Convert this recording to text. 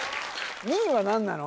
２位は何なの？